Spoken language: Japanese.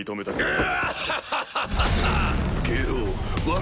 あ？